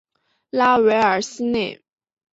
拉韦尔西内。